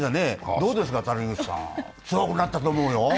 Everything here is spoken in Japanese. どうですか、谷口さん、強くなったと思うよ。